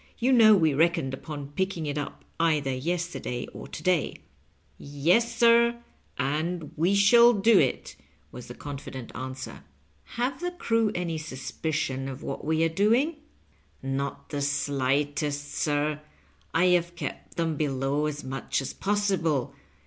" You know we reckoned upon picking it up either yesterday or to day." "Yes, sir; and we shall do it," was the confident answer. Digitized by VjOOQIC LOVE AND LIGMTmNG. 199 ."^ave the crew any suspicion of wliat we are doing ?'^" Kot the slightest, sin I have kept them below as much as possible.